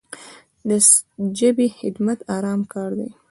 د ژبې خدمت ارام کار دی.